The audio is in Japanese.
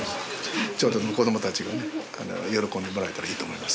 ちょっとでも子どもたちがね喜んでもらえたらいいと思います。